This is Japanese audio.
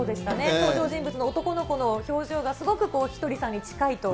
登場人物の男の子の表情が、すごくひとりさんに近いと。